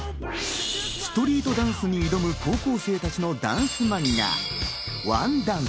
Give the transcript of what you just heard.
ストリートダンスに挑む、高校生たちのダンスマンガ『ワンダンス』。